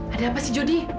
ada apa sih jodi